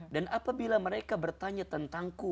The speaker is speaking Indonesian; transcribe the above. apabila mereka bertanya tentangku